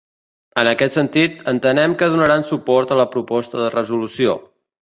En aquest sentit, entenen que donaran suport a la proposta de resolució.